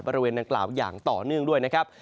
บริเวณดังกล่าวอย่างต่อเนื่องด้วยนะครับ